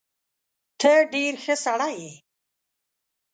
ته ډیر ښه سړی یې